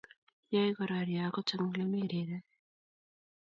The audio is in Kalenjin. Yaei kororie akot eng Ole mi rirek